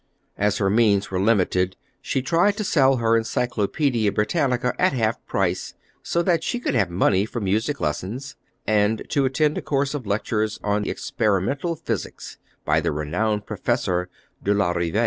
As her means were limited, she tried to sell her Encyclopaedia Britannica at half price, so that she could have money for music lessons, and to attend a course of lectures on experimental physics, by the renowned Professor de la Rive.